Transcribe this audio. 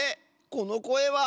このこえは。